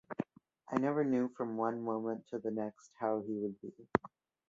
I never knew from one moment to the next how he would be.